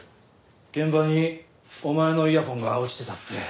現場にお前のイヤフォンが落ちてたって。